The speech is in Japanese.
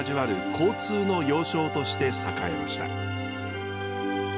交通の要衝として栄えました。